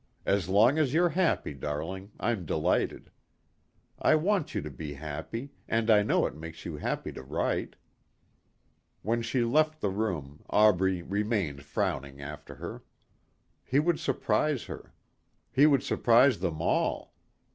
As long as you're happy, darling, I'm delighted. I want you to be happy and I know it makes you happy to write." When she left the room Aubrey remained frowning after her. He would surprise her. He would surprise them all.